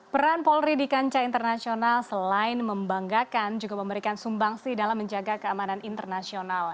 peran polri di kancah internasional selain membanggakan juga memberikan sumbangsi dalam menjaga keamanan internasional